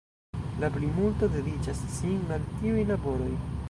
La plimulto dediĉas sin al tiuj laboroj.